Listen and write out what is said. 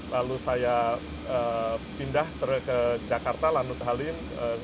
lalu saya pindah ke jakarta lanut halim